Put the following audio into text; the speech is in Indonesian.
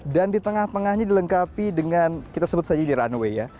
dan di tengah pengahnya dilengkapi dengan kita sebut saja di runway ya